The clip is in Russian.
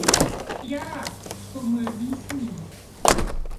Я рад, что мы объяснились.